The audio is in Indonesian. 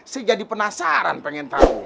saya jadi penasaran pengen tahu